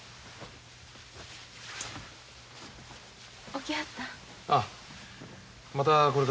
起きはったん？